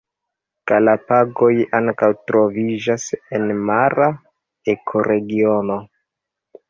Galapagoj ankaŭ troviĝas en mara ekoregiono.